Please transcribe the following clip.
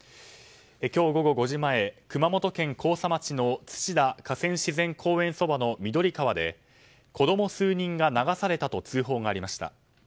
今日午後５時前熊本県甲佐町の土田河川自然公園そばのミドリ川で子供数人が流されたと通報がありました。